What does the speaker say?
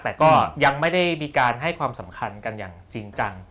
แต่ก็ยังไม่ได้มีการให้ความสำคัญกันอย่างจริงจัง